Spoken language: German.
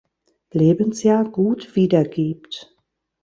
Lebensjahr gut wiedergibt.